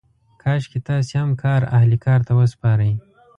کاشکې تاسې هم کار اهل کار ته وسپارئ.